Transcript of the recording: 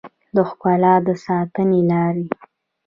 د ښکلا د ساتنې لارې